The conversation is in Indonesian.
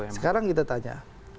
sekarang kita tanya